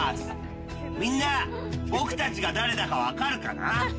みんな、僕たちが誰だか分かるかな？